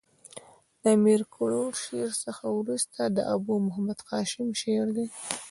د امیر کروړ شعر څخه ورسته د ابو محمد هاشم شعر دﺉ.